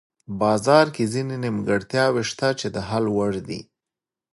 بازار کې ځینې نیمګړتیاوې شته چې د حل وړ دي.